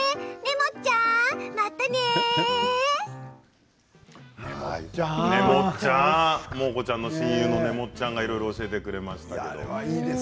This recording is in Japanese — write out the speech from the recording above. モー子ちゃんの親友のねもっちゃんがいろいろ教えてくれました。